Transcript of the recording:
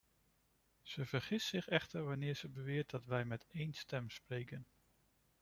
Ze vergist zich echter wanneer ze beweert dat we met één stem spreken.